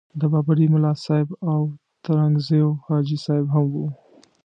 د بابړي ملاصاحب او ترنګزیو حاجي صاحب هم وو.